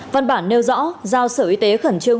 văn bản nêu rõ giao sở y tế khẩn trương